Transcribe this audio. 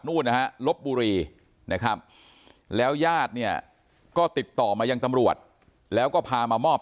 นู้นลบบุรีแล้วญาติก็ติดต่อมายังตำรวจแล้วก็พามามอบ